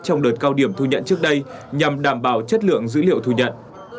trong đợt cao điểm thu nhận trước đây nhằm đảm bảo chất lượng dữ liệu thu nhận